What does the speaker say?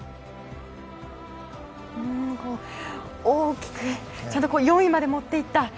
大きくちゃんと４位までもっていった。